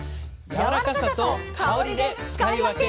「やわらかさと香りで使い分け！！